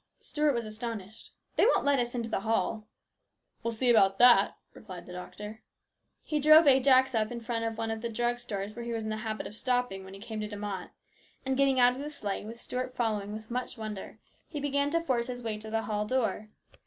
Stuart was astonished. " They won't let us into the hall !"" We'll see about that," replied the doctor. He drove Ajax up in front of one of the drug stores where he was in the habit of stopping when he came to De Mott, and getting out of the sleigh, with Stuart following with much wonder, he began to force his way to the hall door.